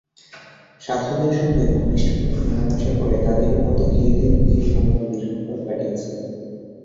সাধুদের সঙ্গে ঘনিষ্ঠভাবে মেলামেশা করে তাঁদেরই মত খেয়ে-দেয়ে তিনি ভারতে দীর্ঘকাল কাটিয়েছেন।